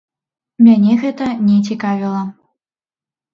Мяне гэта не цікавіла.